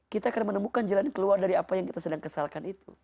kita akan menemukan jalan keluar dari apa yang kita sedang kesalkan itu